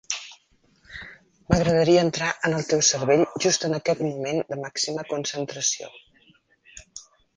M'agradaria entrar en el teu cervell just en aquest moment de màxima concentració.